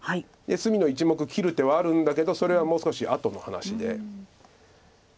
隅の１目を切る手はあるんだけどそれはもう少し後の話で。